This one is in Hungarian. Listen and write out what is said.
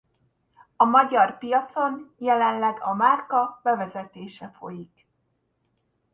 A magyar piacon jelenleg a márka bevezetése folyik.